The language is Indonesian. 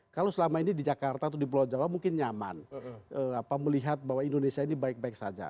kalau selama ini di jakarta atau di pulau jawa mungkin nyaman melihat bahwa indonesia ini baik baik saja